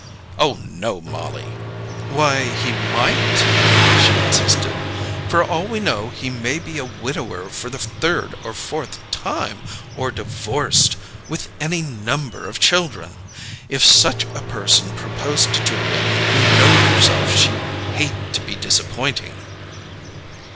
"Oh, no, Mollie!" "Why, he might!" she insisted. "For all we know, he may be a widower for the third or fourth time, or divorced, with any number of children! If such a person proposed to Julia, you know yourself she'd hate to be disappointing!"